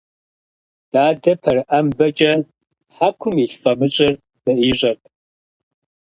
Дадэ пэрыӏэмбэкӏэ хьэкум илъ фӏамыщӏыр зэӏищӏэрт.